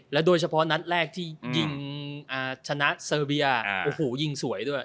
โดยเฉพาะนัดแรกที่ยิงชนะเซอร์เบียโอ้โหยิงสวยด้วย